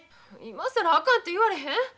今更あかんて言われへん。